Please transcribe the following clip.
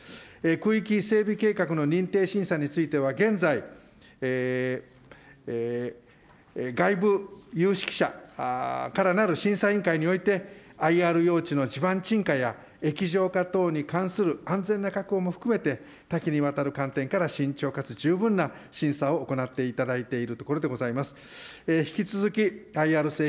区域整備計画の認定審査については現在、外部有識者からなる審査委員会において、ＩＲ用地の地盤沈下や液状化等に関する安全な確保も含めて多岐にわたる観点から慎重かつ十分な審査を行っていただいているところでございます。